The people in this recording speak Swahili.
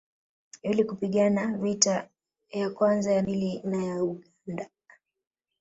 Ili kupigana vita ya kwanza na ya pili na ya Uganda